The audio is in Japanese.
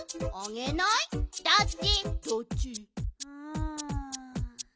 うん。